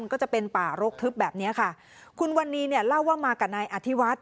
ก็จะเป็นป่ารกทึบแบบเนี้ยค่ะคุณวันนี้เนี่ยเล่าว่ามากับนายอธิวัฒน์